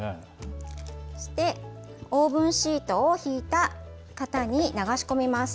そしてオーブンシートを敷いた型に流し込みます。